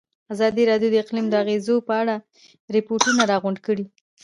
ازادي راډیو د اقلیم د اغېزو په اړه ریپوټونه راغونډ کړي.